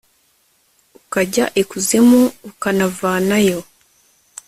ukajyana ikuzimu, ukanavanayo